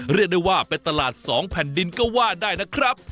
เรียกได้ว่าเป็นตลาด๒แผ่นดินก็ว่าได้นะครับ